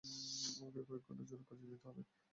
আমাকে কয়েকঘন্টার জন্য কাজে যেতে হবে।